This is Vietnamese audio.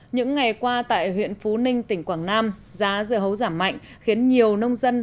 những ngày qua tại huyện phú ninh tỉnh quảng nam giá dưa hấu giảm mạnh khiến nhiều nông dân